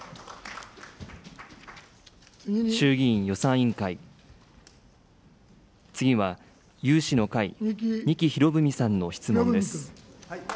衆議院予算委員会、次は有志の会、仁木博文さんの質問です。